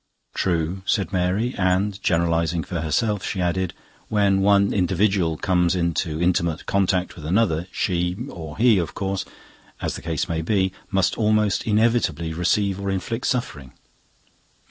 "True," said Mary; and, generalising for herself, she added, "When one individual comes into intimate contact with another, she or he, of course, as the case may be must almost inevitably receive or inflict suffering."